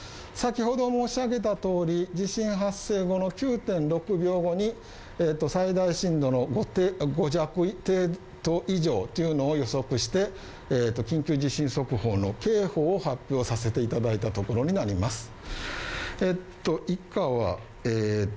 先ほど申し上げた通り、地震発生後の９．６秒後に最大震度５弱程度以上というのを予測して緊急地震速報の警報を発表させていただいたところになります。